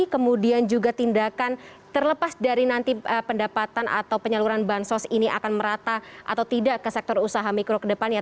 kemudian juga tindakan terlepas dari nanti pendapatan atau penyaluran bansos ini akan merata atau tidak ke sektor usaha mikro ke depannya